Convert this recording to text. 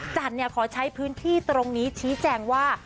จันขอใช้พื้นที่ตรงนี้ชี้แจงว่า